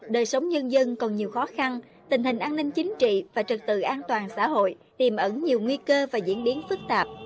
đời sống nhân dân còn nhiều khó khăn tình hình an ninh chính trị và trật tự an toàn xã hội tiềm ẩn nhiều nguy cơ và diễn biến phức tạp